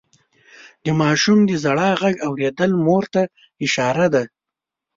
د ماشوم د ژړا غږ اورېدل مور ته اشاره ده.